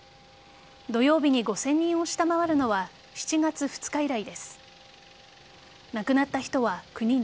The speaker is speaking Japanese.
土曜日に５０００人を下回るのは７月２日以来です。